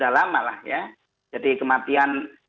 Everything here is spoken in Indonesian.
lama lah ya jadi kematian